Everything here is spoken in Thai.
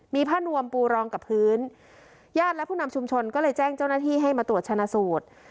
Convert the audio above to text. มีผ้านวมปูรองกับพื้นญาติและผู้นำชุมชนก็เลยแจ้งเจ้าหน้าที่ให้มาตรวจชนะสูตร